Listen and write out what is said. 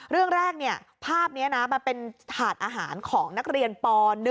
เรื่องแรกภาพนี้นะมันเป็นถาดอาหารของนักเรียนป๑